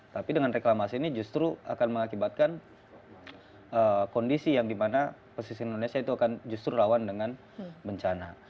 tapi dengan reklamasi ini justru akan mengakibatkan kondisi yang dimana pesisir indonesia itu akan justru rawan dengan bencana